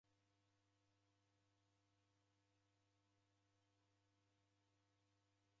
Woka na lwaka lupoie